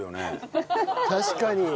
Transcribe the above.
確かに。